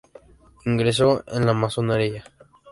Ingresó en la Masonería.